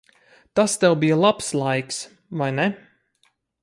Tas tev bija labs laiks, vai ne?